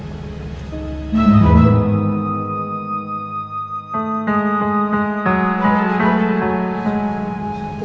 jangan jadi tkw